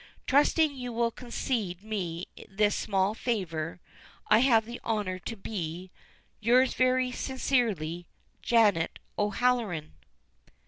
"Trusting you will concede me this small favor, I have the honor to be, Yours very sincerely, "JANET O'HALLORAN."